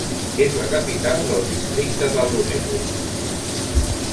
És la capital del districte de Lüneburg.